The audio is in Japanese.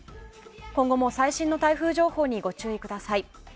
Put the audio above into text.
今後も最新の台風情報にご注意ください。